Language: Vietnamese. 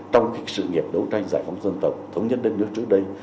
trong sự nghiệp đấu tranh giải phóng dân tộc thống nhất đất nước trước đây